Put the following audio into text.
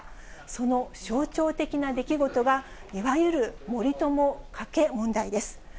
その象徴的な出来事が、いわゆる森友・加計問題です。